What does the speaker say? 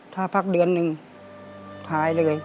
ถ้าพักเดือนหนึ่งหายเลย